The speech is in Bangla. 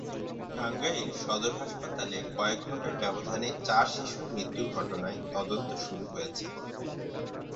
টাঙ্গাইল সদর হাসপাতালে কয়েক ঘণ্টার ব্যবধানে চার শিশুর মৃত্যুর ঘটনায় তদন্ত শুরু হয়েছে।